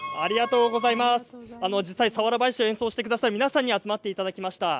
実際、佐原囃子を演奏してくださる皆さんに集まっていただきました。